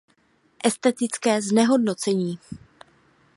Estetické znehodnocení.